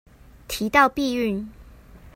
提到避孕